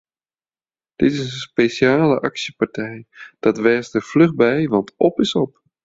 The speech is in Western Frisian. Dit is in spesjale aksjepartij, dat wês der fluch by want op is op!